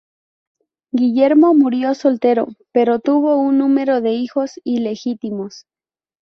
Guillermo murió soltero, pero tuvo un número de hijos ilegítimos.